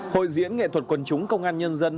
hội diễn nghệ thuật quần chúng công an nhân dân